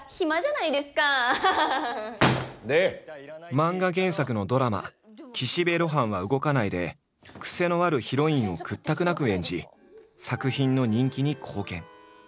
漫画原作のドラマ「岸辺露伴は動かない」で癖のあるヒロインを屈託なく演じ作品の人気に貢献。